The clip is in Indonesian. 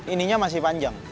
ininya masih panjang